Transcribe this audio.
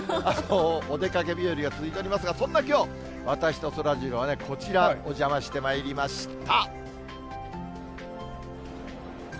お出かけ日和が続いておりますが、そんなきょう、私とそらジローはこちら、お邪魔してまいりました。